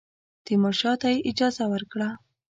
تیمورشاه ته یې اجازه ورکړه.